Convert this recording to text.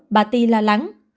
bà ti lo lắng